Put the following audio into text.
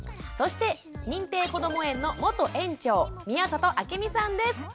そして認定こども園の元園長宮里暁美さんです。